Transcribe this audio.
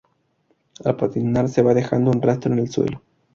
Al patinar se va dejando un rastro en el suelo.